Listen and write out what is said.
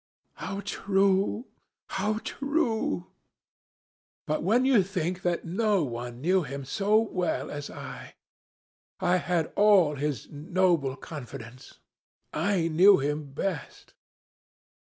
'How true! how true! But when you think that no one knew him so well as I! I had all his noble confidence. I knew him best.'